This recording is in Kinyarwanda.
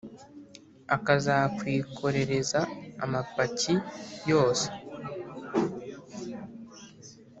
Akazakwikorereza amapiki yose